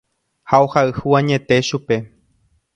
Ha ohayhu añete chupe.